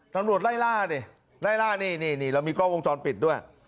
ตำรวจไล่ล่าดิไล่ล่านี่นี่เรามีกล้องวงจรปิดด้วย